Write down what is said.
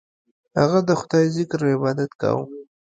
هغه د خدای ذکر او عبادت کاوه.